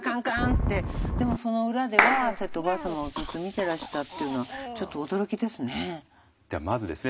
でもその裏ではそうやっておばあ様をずっと見てらしたっていうのはちょっと驚きですね。